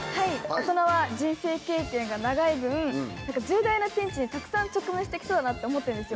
大人は人生経験が長い分重大なピンチにたくさん直面して来そうだなって思ってんですよ。